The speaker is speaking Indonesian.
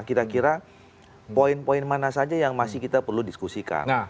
kira kira poin poin mana saja yang masih kita perlu diskusikan